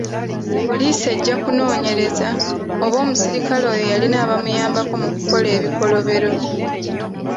Poliisi ejja kunoonyereza oba omusirikale oyo yalina abamuyambako mu kukola ebikolobero.